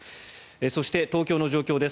そして東京の状況です。